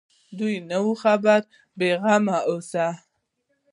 دوى نه خبروم بې غمه اوسه.